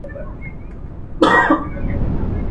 تر قیامته خو دي نه شم غولولای.